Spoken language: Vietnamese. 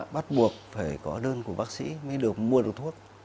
bắt buộc phải có đơn của bác sĩ mới được mua được thuốc